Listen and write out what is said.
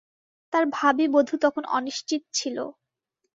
তার ভাবী বধূ তখন অনিশ্চিত ছিল।